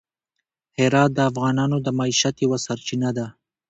هرات د افغانانو د معیشت یوه سرچینه ده.